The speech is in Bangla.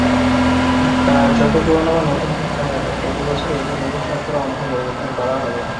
তা যত পুরানো বা নতুন হোক না কেন প্রতি বছরই একটি নির্দিষ্ট শতকরা অংশ পরিবর্তন করা হবে।